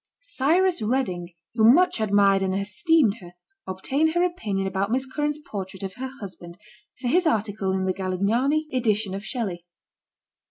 Cyrus Redding, who much admired and esteemed her, ob tained her opinion about Miss Currants portrait of her husband, for his article in the Galignani edition of Shelley.